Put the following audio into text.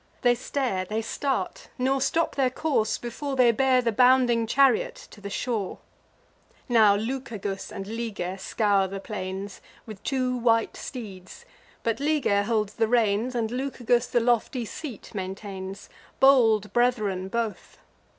They stare, they start, nor stop their course, before They bear the bounding chariot to the shore. Now Lucagus and Liger scour the plains, With two white steeds; but Liger holds the reins, And Lucagus the lofty seat maintains: Bold brethren both.